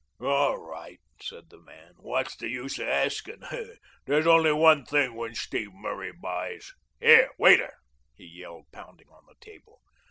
"All right," said the man, "what's the use of asking? There's only one thing when Steve Murray buys. Here, waiter," he yelled, pounding on the table.